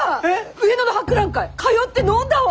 上野の博覧会通って飲んだわ！